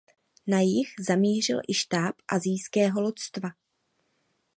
Na jih zamířil i štáb asijského loďstva.